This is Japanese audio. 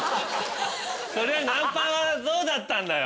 それよりナンパはどうだったんだよ。